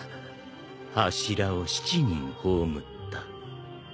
柱を７人葬った。